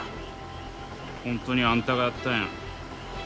本当にあんたがやったんやな。